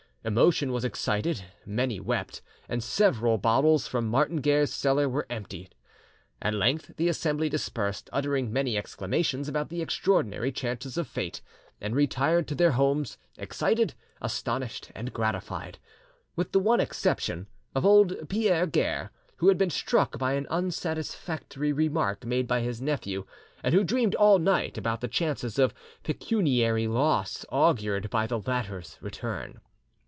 Emotion was excited, many wept, and several bottles from Martin Guerre's cellar were emptied. At length the assembly dispersed, uttering many exclamations about the extraordinary chances of Fate, and retired to their own homes, excited, astonished, and gratified, with the one exception of old Pierre Guerre, who had been struck by an unsatisfactory remark made by his nephew, and who dreamed all night about the chances of pecuniary loss augured by the latter's return.